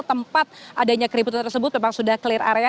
tempat adanya keributan tersebut memang sudah clear area